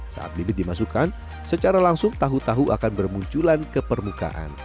saat bibit dimasukkan secara langsung tahu tahu akan bermunculan ke permukaan